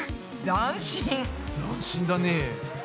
斬新だね。